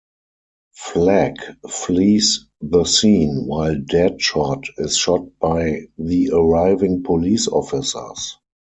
Flag flees the scene, while Deadshot is shot by the arriving police officers.